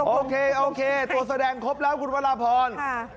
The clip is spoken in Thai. โอเคโอเคตัวแสดงครบแล้วคุณวราพร